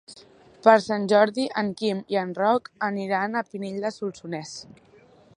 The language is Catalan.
Per Sant Jordi en Quim i en Roc aniran a Pinell de Solsonès.